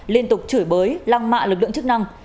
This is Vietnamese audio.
liên tục chửi bới lăng mạ lực lượng chức năng